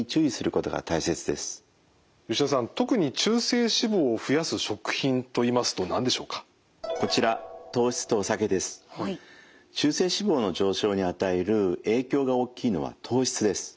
こちら中性脂肪の上昇に与える影響が大きいのは糖質です。